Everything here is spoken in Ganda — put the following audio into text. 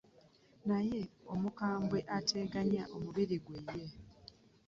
Naye omukambwe ateganya omubiri gwe ye.